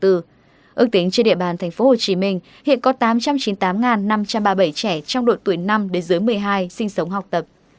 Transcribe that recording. ước tính trên địa bàn tp hcm hiện có tám trăm chín mươi tám năm trăm ba mươi bảy trẻ trong độ tuổi năm đến dưới một mươi hai sinh sống học tập